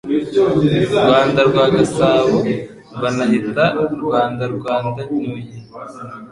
Rwanda rwa Gasabo banahita Rwanda rwa Ndanyoye